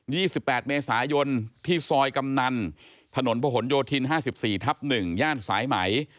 ี่สิบแปดเมษายนที่ซอยกำนันถนนผนโยธินห้าสิบสี่ทับหนึ่งย่านสายไหม